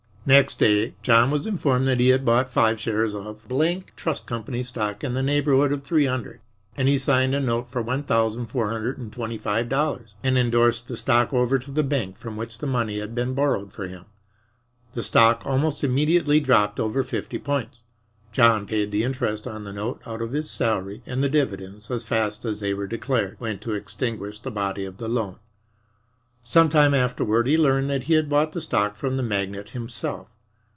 Next day John was informed that he had bought five shares of Trust Company stock in the neighborhood of three hundred, and he signed a note for one thousand four hundred and twenty five dollars, and indorsed the stock over to the bank from which the money had been borrowed for him. The stock almost immediately dropped over fifty points. John paid the interest on the note out of his salary, and the dividends, as fast as they were declared, went to extinguish the body of the loan. Some time afterward he learned that he had bought the stock from the magnate himself.